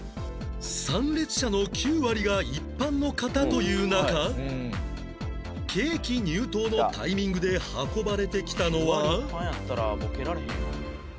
参列者の９割が一般の方という中ケーキ入刀のタイミングで運ばれてきたのは